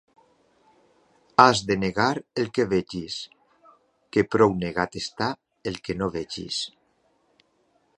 Has de negar el que vegis, que prou negat està el que no vegis.